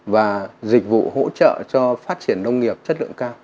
và dịch vụ hỗ trợ cho phát triển nông nghiệp chất lượng cao